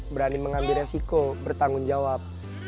berani mengambil resiko bertanggung jawab